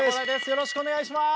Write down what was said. よろしくお願いします！